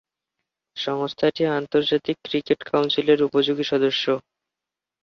সংস্থাটি আন্তর্জাতিক ক্রিকেট কাউন্সিলের সহযোগী সদস্য।